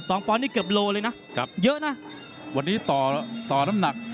ปอนดนี่เกือบโลเลยนะครับเยอะนะวันนี้ต่อต่อน้ำหนัก